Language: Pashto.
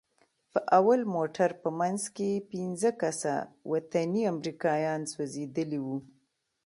د اول موټر په منځ کښې پنځه کسه وطني امريکايان سوځېدلي وو.